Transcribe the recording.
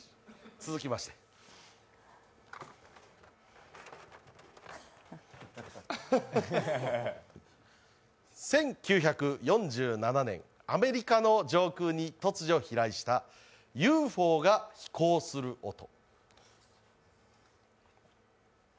続きまして１９４７年、アメリカの上空に突如飛来したＵＦＯが飛行する音。